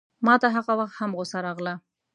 ماته هغه وخت هم غوسه راغله.